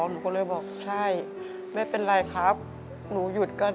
หนูก็เลยบอกใช่ไม่เป็นไรครับหนูหยุดก็